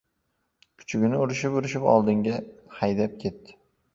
Kuchugini urishib-urishib, oldiga solib haydab ketdi.